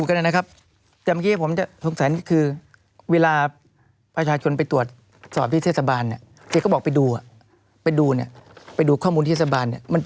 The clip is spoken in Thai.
ยังไงต่อเอาสั้นเลยทำยังไงต่อล่ะ